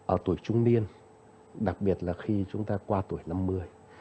ở tuổi trung niên đặc biệt là khi chúng ta qua tuổi năm mươi